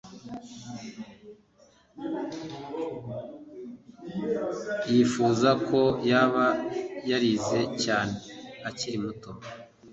Yifuza ko yaba yarize cyane akiri muto